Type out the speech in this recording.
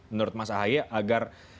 menurut mas ahaya agar